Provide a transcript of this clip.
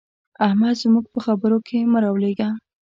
احمده! زموږ په خبرو کې مه رالوېږه.